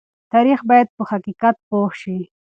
تاریخ باید په حقیقت پوه شي.